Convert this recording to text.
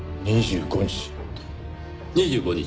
２５日？